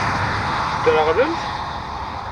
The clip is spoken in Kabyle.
Tedreɣlemt?